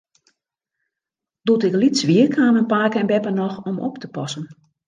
Doe't ik lyts wie, kamen pake en beppe noch om op te passen.